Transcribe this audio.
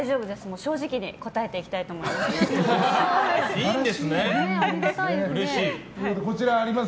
正直に答えていきたいと思います。